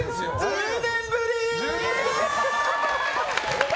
１０年ぶり！